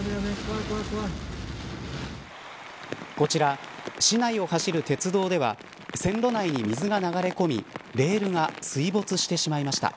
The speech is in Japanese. こちら、市内を走る鉄道では線路内に水が流れ込みレールが水没してしまいました。